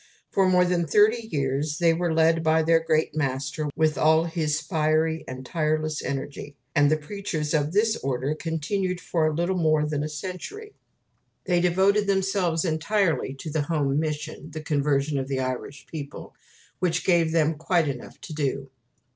For more than thirty years they were led by their great master, with all his fiery and tireless energy; and the preachers of this order continued for a little more than a century. They devoted themselves entirely to the home mission the conversion of the Irish people which gave them quite enough to do.